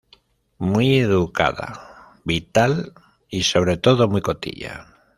Muy educada, vital y sobre todo muy cotilla.